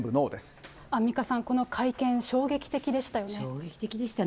アンミカさん、この会見、衝衝撃的でしたね。